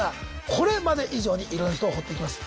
これまで以上にいろんな人を掘っていきます。